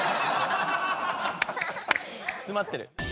詰まってる。